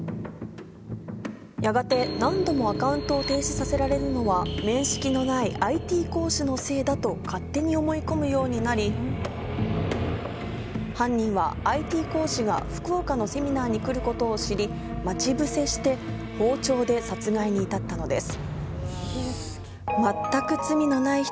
やがて何度もアカウントを停止させられるのは。と勝手に思い込むようになり犯人はＩＴ講師が福岡のセミナーに来ることを知り待ち伏せして包丁で殺害に至ったのです。